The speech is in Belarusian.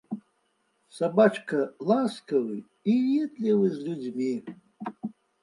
Сабачка ласкавы і ветлівы з людзьмі.